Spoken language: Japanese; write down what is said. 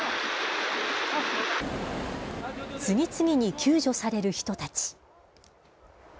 次々に救助される人たち。